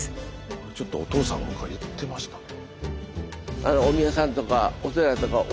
ちょっとお父さんが言ってましたね。